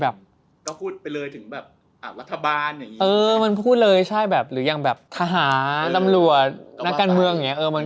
เออมันพูดเลยใช่หรือยังแบบทหารอำรวจนักการเมืองอย่างงี้